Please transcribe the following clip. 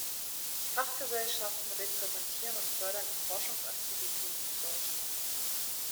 Die Fachgesellschaften repräsentieren und fördern die Forschungsaktivitäten in Deutschland.